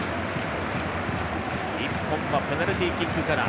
１本はペナルティーキックから。